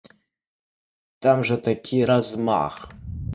Там жа такі размах.